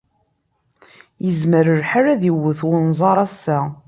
Yezmer lḥal ad iwet unẓar ass-a.